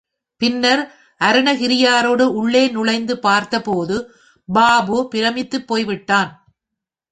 பின்னர் அருணகிரியோடு உள்ளே நுழைந்து பார்த்தபோது, பாபு பிரமித்து போய் விட்டான்.